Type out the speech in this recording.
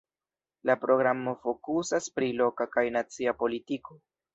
La programo fokusas pri loka kaj nacia politiko.